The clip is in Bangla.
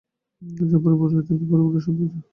যেমন পরিপূর্ণ বয়স, তেমনি পরিপূর্ণ সৌন্দর্য।